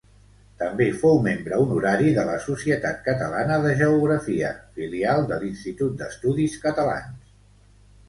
També fou membre honorari de la Societat Catalana de Geografia, filial de l'Institut d'Estudis Catalans.